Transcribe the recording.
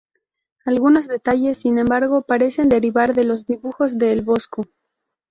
Algunos detalles, sin embargo, parecen derivar de los dibujos de El Bosco.